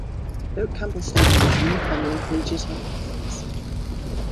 Doak Campbell Stadium is a unique venue in collegiate athletics.